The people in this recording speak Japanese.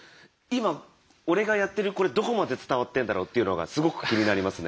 今俺がやってるこれどこまで伝わってんだろうっていうのがすごく気になりますね。